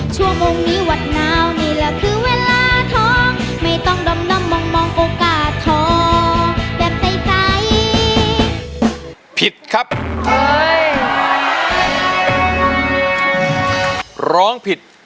ชั่วโมงนี้หวัดนาวนี่แหละคือเวลาท้อง